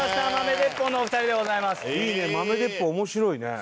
いいね豆鉄砲面白いね。